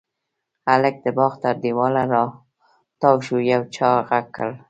هلک د باغ تر دېواله را تاو شو، يو چا غږ کړل: